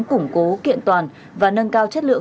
củng cố kiện toàn và nâng cao chất lượng